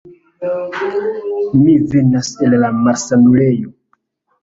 Mi venas el la malsanulejo.